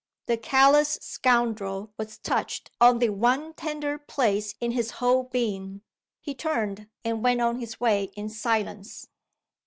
The callous scoundrel was touched on the one tender place in his whole being. He turned, and went on his way in silence.